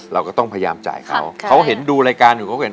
เราก็ต้องพยายามจ่ายเขาเขาเห็นดูรายการอยู่เขาเห็น